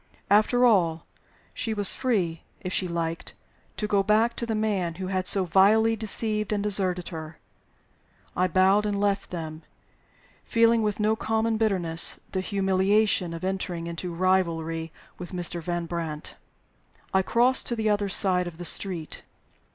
After all, she was free (if she liked) to go back to the man who had so vilely deceived and deserted her. I bowed and left them, feeling with no common bitterness the humiliation of entering into rivalry with Mr. Van Brandt. I crossed to the other side of the street.